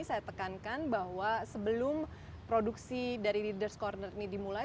saya tekankan bahwa sebelum produksi dari leaders ⁇ corner ini dimulai